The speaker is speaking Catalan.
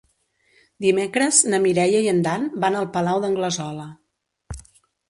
Dimecres na Mireia i en Dan van al Palau d'Anglesola.